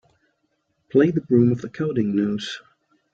Play the Broom Of The Cowdenknowes.